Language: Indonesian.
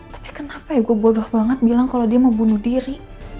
tapi kenapa ya gue bodoh banget bilang kalau dia mau bunuh diri